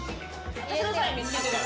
私のサイン見つけてる。